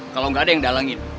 kalo gak ada yang dalangin